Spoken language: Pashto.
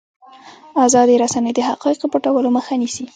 ازادې رسنۍ د حقایقو پټولو مخه نیسي.